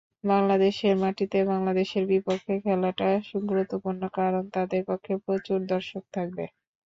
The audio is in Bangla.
বাংলাদেশের মাটিতে বাংলাদেশের বিপক্ষে খেলাটা গুরুত্বপূর্ণ কারণ, তাদের পক্ষে প্রচুর দর্শক থাকবে।